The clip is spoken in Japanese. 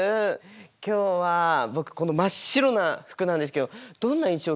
今日は僕この真っ白な服なんですけどどんな印象を受けますか？